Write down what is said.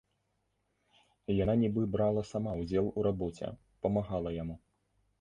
Яна нібы брала сама ўдзел у рабоце, памагала яму.